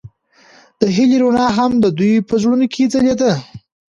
د هیلې رڼا هم د دوی په زړونو کې ځلېده.